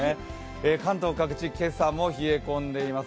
関東各地、今朝も冷え込んでいます